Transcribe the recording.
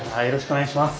お願いします。